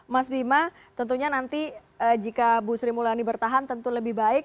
mas bima tentunya nanti jika bu sri mulyani bertahan tentu lebih baik